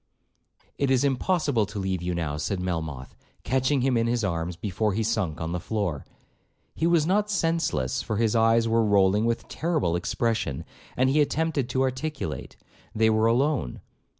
'It is impossible to leave you now,' said Melmoth, catching him in his arms before he sunk on the floor. He was not senseless, for his eyes were rolling with terrible expression, and he attempted to articulate. They were alone.